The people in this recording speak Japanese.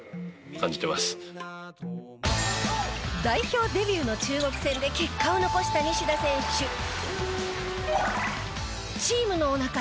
代表デビューの中国戦で結果を残した西田選手。